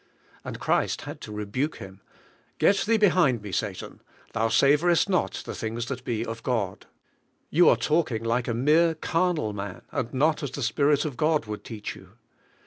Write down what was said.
And Christ had to rebuke him: "Get thee behind me, Satan. Thou savorest not the things that be of God." Yoa are talking like a mere carnal man, and not as the Spirit of God would teach you.